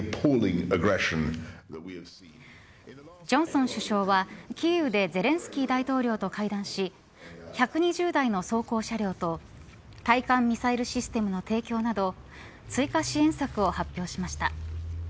ジョンソン首相はキーウでゼレンスキー大統領と会談し１２０台の装甲車両と対艦ミサイルシステムの提供など追加支援策を発表しました。